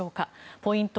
ポイント